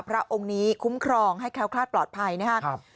พระองค์นี้คุ้มครองให้แค้วคลาดปลอดภัยนะครับ